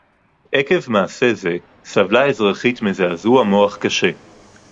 עקב מעשה זה סבלה האזרחית מזעזוע מוח קשה